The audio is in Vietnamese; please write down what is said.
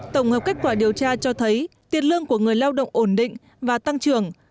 tổng hợp kết quả điều tra cho thấy tiền lương của người lao động ổn định và tăng trưởng